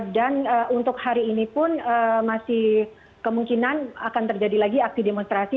dan untuk hari ini pun masih kemungkinan akan terjadi lagi aksi demonstrasi